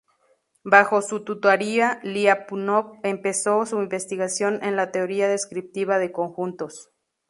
Bajo su tutoría, Liapunov empezó su investigación en la teoría descriptiva de conjuntos.